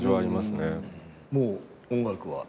もう音楽は？